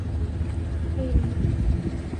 คลินต์